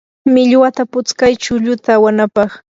millwata putskay chulluta awanapaq.